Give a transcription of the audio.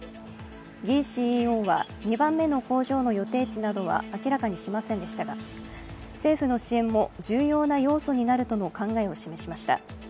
魏ＣＥＯは２番目の工場の予定地などは明らかにしませんでしたが政府の支援も重要な要素になるとの考えを示しました。